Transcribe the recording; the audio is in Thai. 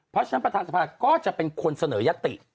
เพราะฉะนั้นประธานสภาก็จะเป็นคนเสนอยติ